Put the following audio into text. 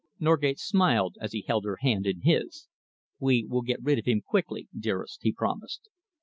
Norgate smiled as he held her hand in his. "We will get rid of him quickly, dearest," he promised.